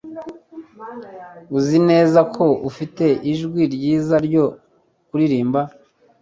Uzi neza ko ufite ijwi ryiza ryo kuririmba!